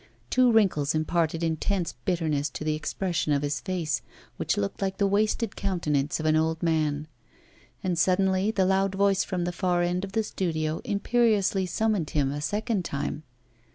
Two wrinkles imparted intense bitterness to the expression of his face, which looked like the wasted countenance of an old man. And suddenly the loud voice from the far end of the studio imperiously summoned him a second time.